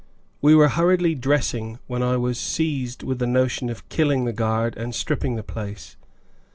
We were hurriedly dressing, when I was seized with the notion of killing the guard and stripping the place.